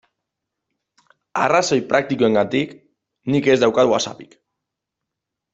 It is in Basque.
Arrazoi praktikoengatik nik ez daukat WhatsAppik.